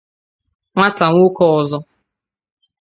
nwata nwoke ọzọ